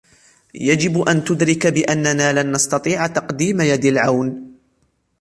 يجب أن تدرك بأننا لن نستطيع تقديم يد العون.